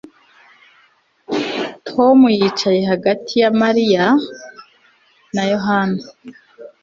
Tom yicaye hagati ya Mariya na Yohana